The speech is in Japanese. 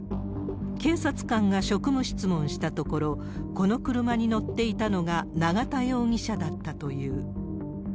警察官が職務質問したところ、この車に乗っていたのが永田容疑者だったという。